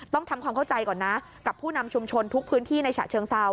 ต้องทำความเข้าใจก่อนนะกับผู้นำชุมชนทุกพื้นที่ในฉะเชิงเซา